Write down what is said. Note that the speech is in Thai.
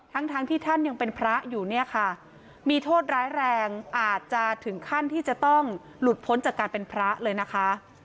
ทั้งทั้งที่ท่านยังเป็นพระอยู่เนี่ยค่ะมีโทษร้ายแรงอาจจะถึงขั้นที่จะต้องหลุดพ้นจากการเป็นพระเลยนะคะ